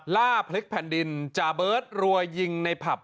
ฆ่าปลภฤษไผ่นดินจาเบิร์ตรวยยิงในผับ